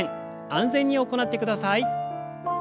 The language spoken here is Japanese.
安全に行ってください。